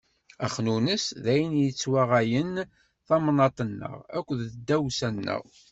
Axnunnes, d ayen i yessettwaɣayen tamnaḍt-nneɣ akked tdawsa-nneɣ.